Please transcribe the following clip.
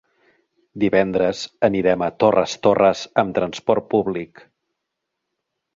Divendres anirem a Torres Torres amb transport públic.